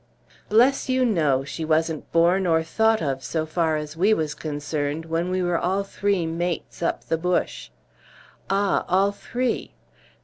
"Bless you, no! She wasn't born or thought of, so far as we was concerned, when we were all three mates up the bush." "Ah, all three!"